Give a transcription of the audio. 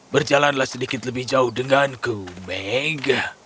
berjalanlah sedikit lebih jauh denganku mega